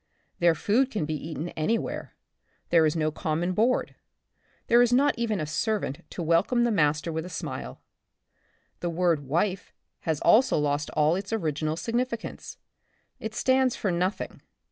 Their food can be eaten anywhere — there is no common board ; there is not even a servant to welcome the master with a siiiile. The word zvife has also lost all its origi nal significance. It stands for nothing.